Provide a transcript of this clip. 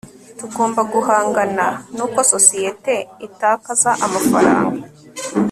tugomba guhangana n'uko sosiyete itakaza amafaranga